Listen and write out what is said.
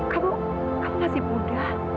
kamu masih muda